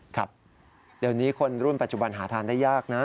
ครับเดี๋ยวนี้คนรุ่นปัจจุบันหาทานได้ยากนะ